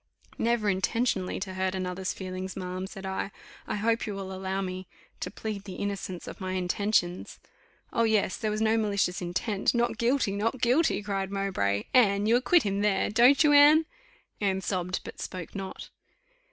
"Never intentionally to hurt another's feelings, ma'am," said I; "I hope you will allow me to plead the innocence of my intentions." "Oh, yes! there was no malicious intent: Not guilty Not guilty!" cried Mowbray. "Anne, you acquit him there, don't you, Anne?" Anne sobbed, but spoke not.